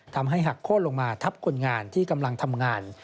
ทำให้หักโค้นลงมาทับคนงานที่กำลังทำงาน